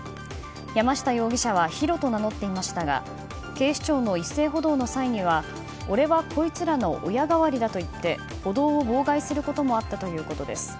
山下容疑者はヒロと名乗っていましたが警視庁の一斉補導の際に、俺はこいつらの親代わりだと言って補導を妨害することもあったということです。